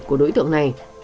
của đối tượng này